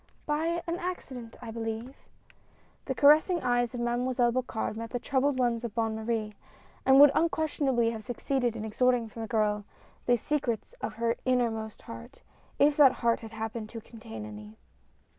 " By an accident I believe ?" The caressing eyes of Mademoiselle Bocard met the troubled ones of Bonne Marie, and would unquestion ably have succeeded in extorting from the girl the secrets of her innermost heart, if that heart had hap pened to contain any.